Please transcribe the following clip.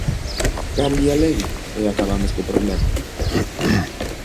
Cambie a lei, e acabamos co problema.